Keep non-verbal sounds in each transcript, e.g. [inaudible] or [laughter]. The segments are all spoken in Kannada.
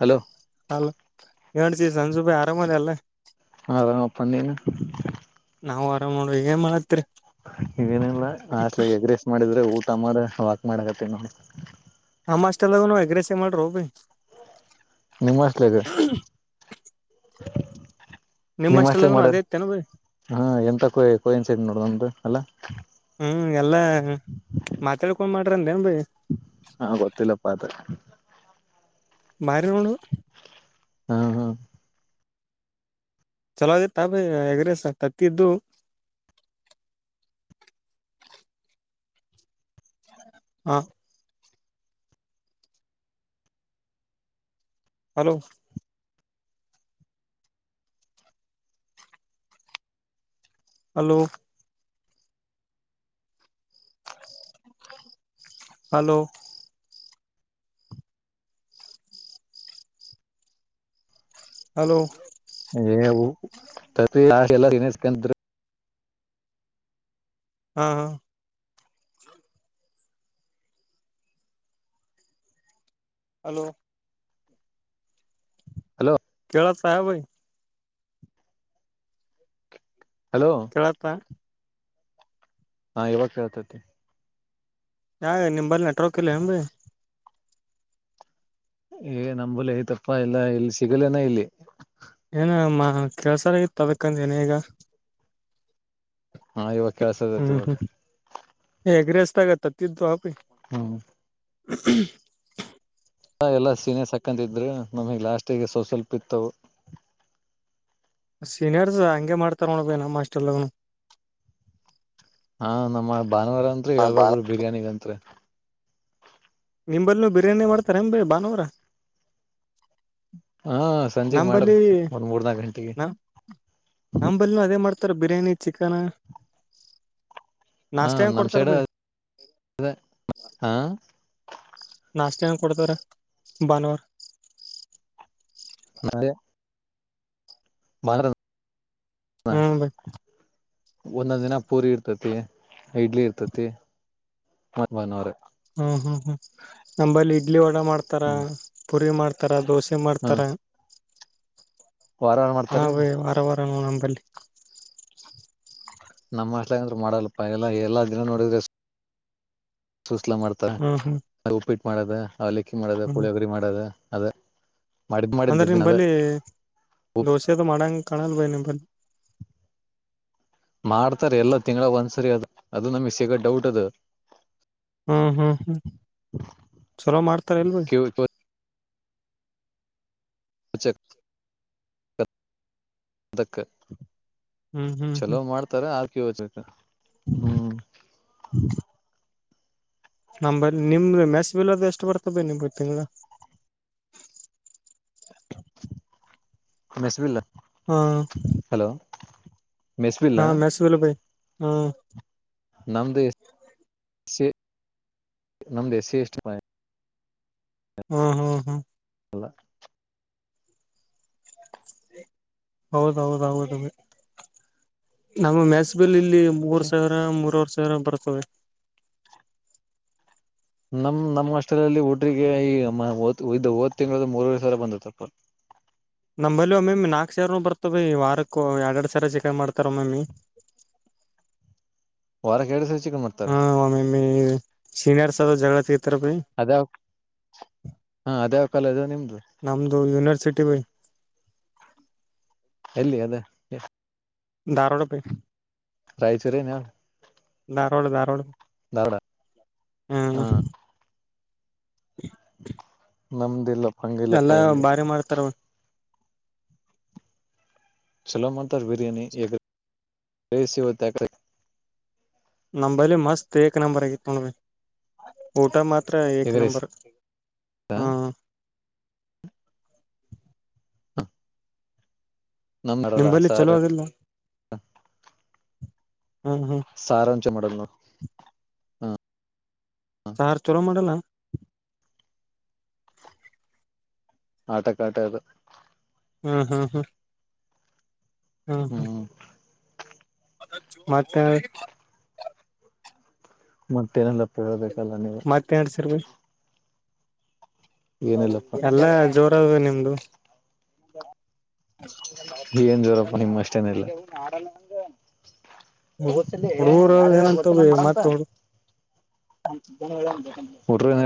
ಹಲೋ ಹಲೋ [unintelligible] ಆರಾಮದ ಅಲ್ಲ. ಆರಾಮಪ್ಪ ನೀನ. ನಾವು ಆರಾಮ್ ನೋಡ ಈಗ್ ಏನ್ ಮಾಡತ್ರಿ. ಇದೇನಿಲ್ಲ ಹಾಸ್ಟೆಲಾಗ್ ಎಗ್ ರೈಸ್ ಮಾಡಿದ್ರೆ ಊಟ ಮಾಡ ವಾಕ್ ಮಾಡಕತ್ತೀನ್ ನೋಡ್. ನಮ್ ಹಾಸ್ಟೆಲಾಗೂನೂ ಎಗ್ ರೈಸೇ ಮಾಡ್ರೋ ಭಯ್. ನಿಮ್ ಹಾಸ್ಟೆಲ್ದ್. ನಿಮ್ ಹಾಸ್ಟೇಲಗ್ ಅಷ್ಟೆಲ್ಲಗನು ಅದೇ ಮಾಡದ್ ಇತ್ತೇನ್ ಬಿ ಹಾ ಎಂತ ಕೊಯೆ ಕೋಇನ್ಸಿಡೆನ್ಸ್ ನೋಡು ನಮ್ದು ಅಲ್ಲಾ. ಹ್ಮ್ ಎಲ್ಲಾ ಮಾತಾಡ್ಕೊಂಡ್ ಮಾಡ್ ಹಾ ಗೊತ್ತಿಲ್ಲಪ್ಪ ಅದ. [unintelligible] ಹಾ ಹಾ. ಚಲೋದಿತ್ತಾ ಭಯ್ ಎಗ್ ರೈಸ್ ಅದ್ ತತ್ತಿದ್ದು. [inaudible] ಹಾ. ಹಲೋ. ಹಲೋ. ಹಲೋ. ಹಲೋ. [unintelligible] ಹ್ಮ ಹ್ಮ ಹಲೋ ಹಲೋ ಸಹಬಿ ಹಲೋ ಕೆೇಳಪ್ಪ ಹಾ ಇವಾಗ ಕೇಳ್ತತಿ ಯಾ ನಿಮಲ್ಲಿ ನೆಟ್ವರ್ಕ್ ಇಲ್ಲ ಹೆಂಬಿ ಏ ನಂಬಲ್ ಐತಪ್ಪಾ ಇಲ್ಲ ಇಲ್ಲಿ ಸಿಗಲೇನ ಇಲ್ಲಿ ಏನ ಮಾ ಕೆಲ್ಸರ ಇತ್ತು ಅದಕಂದ ಏನ ಈಗ ಹಾ ಇವಾಗ ಕೆಲ್ಸ ಅದತಿ ಇವಾಗ ಹೂ ಎಗ್ ರೈಸ್ ದಾಗ [unintelligible] ಹ್ಮ [unintelligible] ಎಲ್ಲಾ ಸೀನಿಯ ಸಕಂತಿದ್ರು ನಮಗ್ ಲಾಸ್ಟ್ಗೆ ಸ್ವಲ್ಪ ಸ್ವಲ್ಪ ಇತ್ತವು ಸೀನಿಯರ್ಸ್ ಹಗೆ ಮಾಡ್ತಾರ ನೋಡ ಬೇನಾ ಮಾಸ್ಟರ್ಲೋಗನು ಹಾ ನಮ್ಮ ಭಾನುವಾರ ಅಂರಿ ಎಳ್ ಬಿರಿಯಾನಿಂರಿ ನಿಂಬಲ್ನ ಬಿರಿಯಾನಿ ಮಾಡ್ತಾರ ಹೆ ಭಾನವರ ಹಾ ಸಂಜೆ ಮಾಡ್ರಿ ಒಂದ್ ಮೂರ್ನಾಕ ಗಂಟೆಗೆ ನಂಬಲ್ನ ಅದೇ ಮಾಡ್ತಾರ ಬಿರಿಯಾನಿ ಚಿಕನ್ ಹಾ ನಾಷ್ಟ ಏನ್ ನಮ್ ಕೊಡ್ತಾರ ಸೈಡ್ ಬೈ [unintelligible] ನಾಷ್ಟ ಏನ್ ಕೊಡ್ತಾರೆ ಭಾನವಾರ [unintelligible] ಮತ್ರ [unintelligible] ಒಂದೊಂದ್ ದಿನ ಪೂರಿ ಇರ್ತತಿ ಇಡ್ಲಿ ಇರ್ತತಿವ್ರ [unintelligible] ಹ್ಮ ಹ್ಮ್ ಹ್ಮ್ ನಂಬಲ್ಲಿ ಇಡ್ಲಿ ವಡಾ ಮಾಡ್ತಾರಾ ಹ್ಮ್ ಪುರಿ ಮಾಡ್ತಾರ ದೋಸೆ ಹ್ಮ ಮಾಡ್ತಾರೆ ವಾರ ವಾರ ಮಾಡ್ತಾರ ಹ ನಂಬಲ್ಲಿ ನಮ್ಮ ಹಾಸ್ಟೆಲ್ ಮಾಡಲ್ಪಾ ಎಲ್ಲಾ ಎಲ್ಲಾ ದಿನ ನೋಡಿದ್ರೆ ಸೂಸ್ಲ ಮಾಡ್ತ ಹ್ಮ್ ಹ್ಮ್ ಉಪ್ಪಿಟ್ಟ ಮಾಡದ ಅವಲಕ್ಕಿ ಮಾಡದ ಹ್ಮ್ ಪುಳಿಯೋಗರಿ ಮಾಡದ ಅದೇ ಅಂದ್ರೆ ನಿಮ್ ಬಳಿ ದೋಸೆದು ಮಾಡಂಗ ಕಾಣಲ್ ಬೈ ನೀಮ್ [inaudible] ಮಾಡ್ತಾರೆ ಎಲ್ಲ ತಿಂಗಗಳ ಒಂದ್ಸರಿ ಅದು ಅದು ನಮಗ್ ಸಿಗ ಡೌಟ್ ಅದು ಹ್ಮ್ ಹ್ಮ್ ಹ್ಮ್ ಚಲೋ ಮಾಡ್ತಾರೆ ಇಲ್ವ ಕ್ಯೂ [unintelligible] ಅದಕ್ಕೆ ಹ್ಮ್ ಹ್ಮ್ ಹ್ಮ್ ಚಲೋ ಮಾಡ್ತಾರ ಆಕ ಯಚಕ ಹ್ಮ್ ನಿಮ್ದ ಮೆಸ್ ಬಿಲ್ ಎಲ್ಲದು ಎಷ್ಟು ಬರ್ತ ಬ ನಿ ತಿಂಗಗಳ [unintelligible] ಹಮಸವಲ್ಲ ಹ್ಮ ಮೆಸ್ಬಿಲ್ಲ ಹಾ ಮೆಸೂಲ್ಲ ಭ ಹ್ಮ್ ನಮ್ದು ನಮ್ದು ಎಸ್ಸಿ ಎಸ್ಟಿ ಹ್ಮ್ ಹ್ಮ್ ಹ್ಮ್ ಅಲ್ಲ ಹೌದೌದೌದು ನಮ್ಮ ಮೆಸಬಲ್ಲಿ ಇಲ್ಲಿ ಮೂರ್ ಐತೆ ಸಾವಿರ ಮೂರವರ್ ಸಾವಿರ ಬರ್ತದೆ ನಮ್ ನಮ್ಮ್ ಅಷ್ಟಲ್ಲಿ ಊಟ್ರಿಗೆ ಈ ಇದ ಹ ತಿಂಗಳ ಮೂರವರೆ ಸಾವರ ಬಂದತ್ತಪ್ಪ ನಮಲ್ವ ಒಮ್ಮೊಮ್ಮೆ ನಾಲ್ಕ್ ಸಾವರನು ಬರ್ತವ ವಾರಕ್ಕೂ ಎರಡೆ ಎರಡು ಸಾವಿರ ಚೆಕನ್ ಮಾಡ್ತಾರ ಒಮ್ಮೊಮ್ಮೆ [inaudible] ವಾರ ಕ ಸರ್ ಚಿಗ್ ಮಾಡ್ತಾರ ಸೀನಿಯಾರ್ ಸದ ಜಗಳ ತೀ ಅದೇ ಹಾ ಅದೇವ್ ಕಾಲೇಜ ಅ ನಿಮ್ದ ನಮ್ದು ಯನಿವಾರ್ಸಿಟಿ ಬಯ್ ಎಲ್ಲಿ ಅದ ದಾರವಾಡ ಬೈ ರಾಯಚೂರ್ರೆನ ದಾರವಾಡ್ ದಾರವಾಡ್ ದಾರವಾಡ ಹು ನಮ್ದ ಇಲ್ಲಪ್ಪ ಹಂಗಿಲ್ಲಪ್ಪ ಎಲ್ಲಾ ಇಲ್ಲಿ ಬಾರಿ ಮಾಡ್ತಾರ ಚಲೋ ಮಾಡ್ತರ್ ಬಿರಿಯಾನಿ ಎಗ್ರೈಸ್ ಇವತ್ ಯಾಕೊ ನಂಬಲ್ಲಿ ಮಸ್ತ್ ಎಕ್ ನಂಬರ್ ಆಗಿತ್ತು ನೋ ಊಟಾ ಮಾತ್ರ ಎಕ್ ಎಗ್ ರೈಸ್ ನಂಬರ್ ಹ್ಮ ನಮ್ ಮಾಡಲ್ಲ ನಿಮ್ಬಲ್ಲಿ ಸಾರು ಚಲೋ ಆದಿಲ್ಲ - ಸಾರಾಂಚೂರು ಮಾಡುಗ್ನು ಹ್ ಸಾರ್ ಚಲೋ ಮಾಡಲ್ಲ ಆಟಕ್ ಆಟೆದು ಹ್ಮ್ ಹ್ಮ್ ಹ್ಮ್ ಹ್ಮ್ ಮತ್ತ ಮತ್ತೇನಿಲಪ್ಪಿ ಹಳ್ಬೇಕಲ್ಲ ನೀವ ಮತ್ತೆ ಅಡ್ಸಿರ್ ಏನಿಲ್ಲಪ್ಪಾ ಎಲ್ಲ ಜೋರದ ನಿಮ್ದು ಏನ್ ಜೋರಪ್ಪ ನಿಮ್ಮ ಅಷ್ಟೇನೆಲ್ಲ. ಹೌದು [unintelligible] [unintelligible] ಏನ್ ಹುಡುಗರು ಏನಂತ ಮತ್ ಹುಡು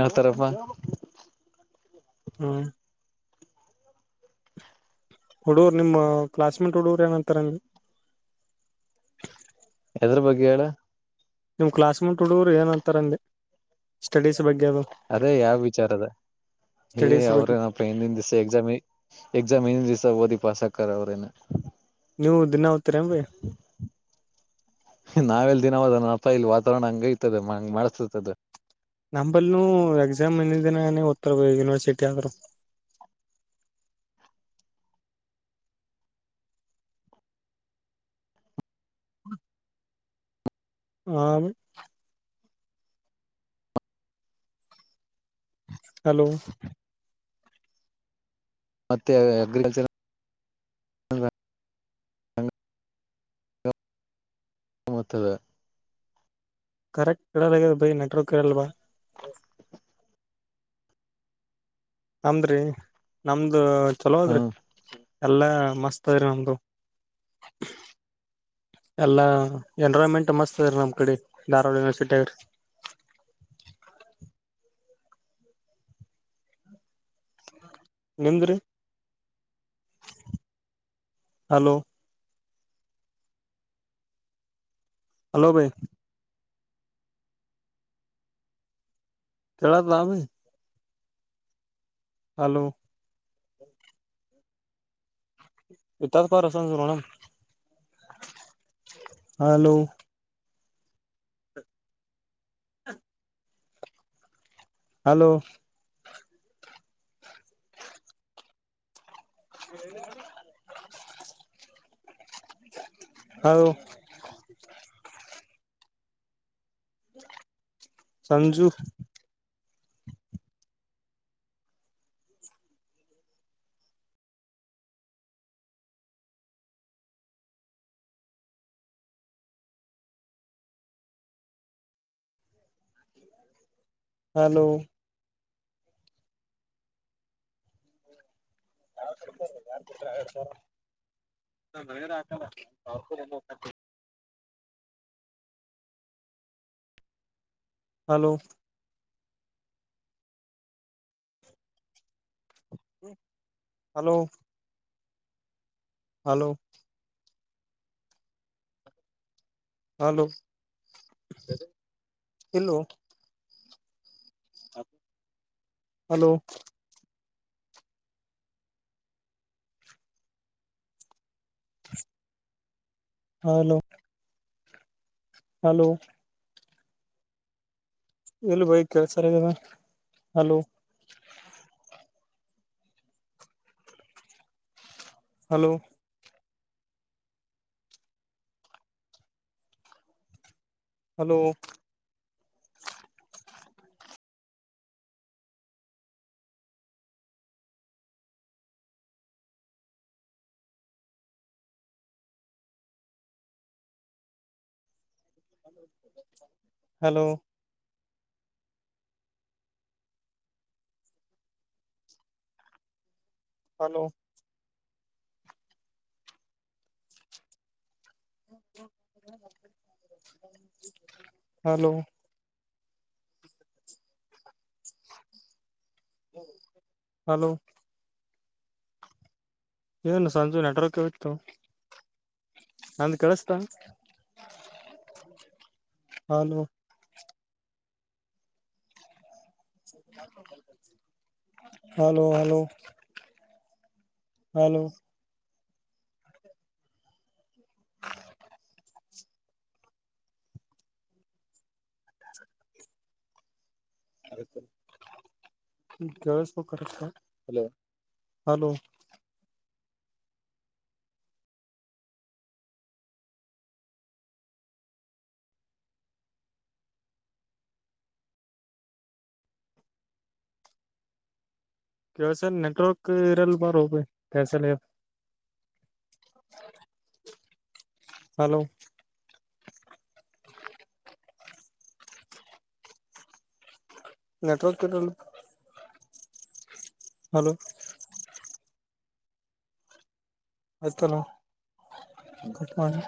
ಹೇಳ್ತಾರಪ್ಪ ಹ್ಮ ಹುಡ್ಗುರು ನಿಮ್ಮ ಕ್ಲಾಸ್ಮೇಟ್ ಹುಡ್ಗುರು ಏನಂತಾರೆ ನೀ ಹೆದ್ರ ಬಗ್ಗೆ ಹೇಳ ನಿಮ್ ಕ್ಲಾಸ್ ಮೆಂಟ್ ಹುಡ್ಗರು ಏನ್ ಅಂತಾರ ಅಂದೆ ಸ್ಟಡೀಸ್ - - ಅದೇ ಯಾವ್ ವಿಚಾರದ ಏ ಸ್ಟಡೀಸ್ ಬಗ್ಗೆ ಅವ್ರೇನಪ್ಪ ಇನ್ ದಿಸ ಎಕ್ಸಾಮಿ ಎಕ್ಸಾಮ್ ಇಂದ್ದಿಸ ಓದಿ [unintelligible] ಅವ್ರೇನು ನೀವು ದಿನಾ ಓತ್ತಿರೆನ್ ಬಯ್ಯ ದಿನವಾದ [unintelligible] ವಾತಾವರಣ ಹಂಗೈತದು ಇಂಗ್ ಮಡುಸ್ತದದು ನಂಬಲ್ ಎಕ್ಸಾಮ್ ಇಂದಿದ್ ದಿನ ಓತ್ತವೆ ಯುನಿವರ್ಸಿಟಿ ಆ [inaudible] ಹ್ಮೂ ಹಲೋ ಮತ್ತೆ ಅಗ್ರಿಕಲ್ಚರ್ [unintelligible] ಕರೆಕ್ಟ್ [unintelligible] ಬೈ ನೆಟವರ್ಕ್ [unintelligible] ಬಾ ನಮ್ದ್ರಿ ನಮ್ದು ಚಲೋ ಅದ್ರಿ. ಹ್ಮ ಎಲ್ಲಾ ಮಸ್ತ ಅದ್ರಿ ನಮ್ದು ಎಲ್ಲಾ ಎನ್ರೈನ್ಮೆಂಟ್ ಮಸ್ತ್ ಅದಿ ನಮ್ ಕಡೆ ಧಾರವಾಡನ ಯುನಿವರ್ಸಿಟಿಗ್ [unintelligible] ನಿಮ್ದುರಿ ಹಲೋ ಹಲೋ ಭೈ ಕೇಳತ [unintelligible] ಹಲೋ ಇತ್ತ ಬಾರು ಸಂಜು ನೋಡನು ಹಲೋ ಹಲೋ ಹ ಹೌ ಸಂಜು ಹಲೋ ಯ ಯ ನ ಹಲೋ ಹಲೋ ಹಲೋ ಹಲೋ ಇಲ್ಲೋ ಹಲೋ ಹಲೋ ಹಲೋ ಎಲ್ಲಿ ಬೈ ಕೆಳಸಲಾಗದ hello hello hello hello hello hello hello ಏನು ಸಂಜು ನೆಟ್ರಕ್ಕೆವತ್ತುತ್ತು ನಂದು ಕಳಿಸತ ಹಾನ ಹಲೋ ಹಲೋ ಹಲೋ ಹರಿಕ ಹಲೋ ಕೆವ ಸ ನೆಟ್ವರ್ಕ್ ಇರಲ್ ಬಾರೋ ಬೈ ಕಳ್ ಸಲಾಗೆದೆ ಹಾ ಹಲೋ ನೆಟ್ವರ್ಕ್ ಎಲ್ಲಳ್ಳ ಹಲೋ ಆಯ್ತಲ್ಲಟ್ ಮಾಡಿ